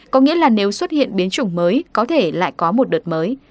có nghĩa là nếu xuất hiện biến chủng mới có thể lại có một đợt mới